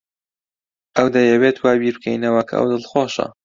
ئەو دەیەوێت وا بیر بکەینەوە کە ئەو دڵخۆشە.